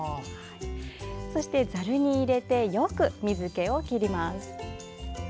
そして、ざるに入れてよく水けを切ります。